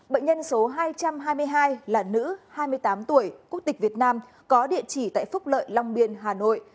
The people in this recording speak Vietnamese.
bệnh nhân số hai trăm hai mươi hai là nữ hai mươi tám tuổi quốc tịch việt nam có địa chỉ tại phúc lợi long biên hà nội